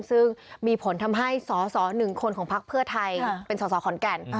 ซึ่งมีผลทำให้สส๑คนของพักเพื่อไทยเป็นสอสอขอนแก่น